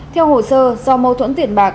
theo hồ sơ do mâu thuẫn tiền bạc